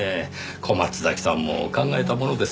小松崎さんも考えたものです。